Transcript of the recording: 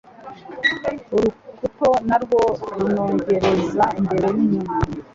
Urukuto Narwo runogereza imbere n'inyuma,